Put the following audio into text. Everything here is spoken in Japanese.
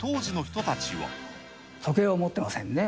時計を持ってませんね、